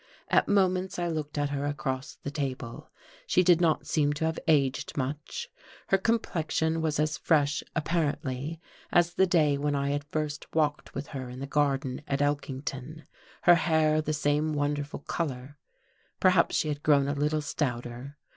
At moments I looked at her across the table; she did not seem to have aged much: her complexion was as fresh, apparently, as the day when I had first walked with her in the garden at Elkington; her hair the same wonderful colour; perhaps she had grown a little stouter.